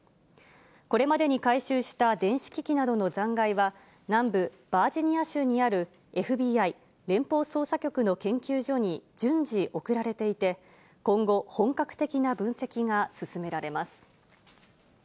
これまでに回収した電子機器などの残骸は、南部、バージニア州にあるＦＢＩ・連邦捜査局の研究所に順次送られていて、今後、本格的な分析が進められます。